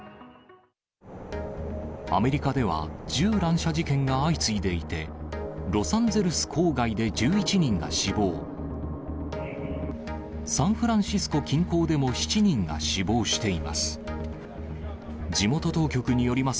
アメリカでは銃乱射事件が相次いでいて、ロサンゼルス郊外で１１人が死亡、サンフランシスコ近郊でも７人が死亡しています。